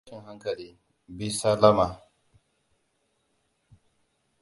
Karshen tashin hankali; bi salama.